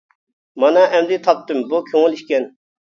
مانا ئەمدى تاپتىم، بۇ كۆڭۈل ئىكەن.